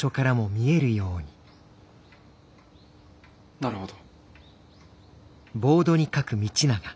なるほど。